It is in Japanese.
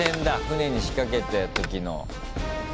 船に仕掛けた時の。